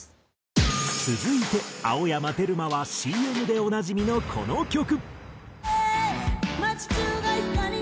続いて青山テルマはＣＭでおなじみのこの曲。